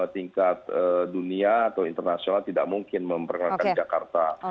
tingkat dunia atau internasional tidak mungkin memperkenalkan jakarta